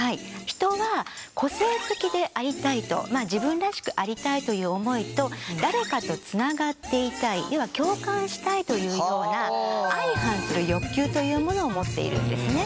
人は個性的でありたいとまあ自分らしくありたいという思いと誰かとつながっていたい要は共感したいというような相反する欲求というものを持っているんですね。